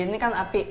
ini kan api